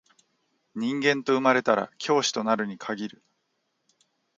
人間と生まれたら教師となるに限る